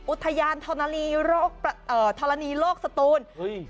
อุทยานธรณีโลกสตูน